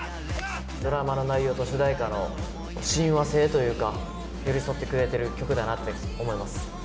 ドラマの内容と主題歌の親和性というか、寄り添ってくれてる曲だなと思います。